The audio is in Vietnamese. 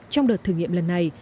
trong đợt thử nghiệm lần này